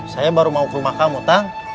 saya baru mau ke rumah kamu tang